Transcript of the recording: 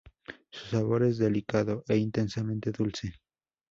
Su sabor es delicado e intensamente dulce.